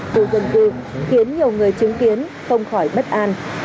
khu dân cư khiến nhiều người chứng kiến không khỏi bất an